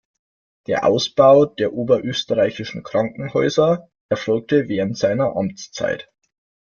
Der Ausbau der oberösterreichischen Krankenhäuser erfolgte während seiner Amtszeit.